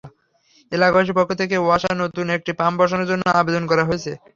এলাকাবাসীর পক্ষ থেকে ওয়াসায় নতুন একটি পাম্প বসানোর জন্য আবেদন করা হয়েছে।